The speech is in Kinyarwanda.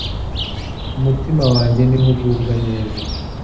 umutima wanjye ni ho ugubwa neza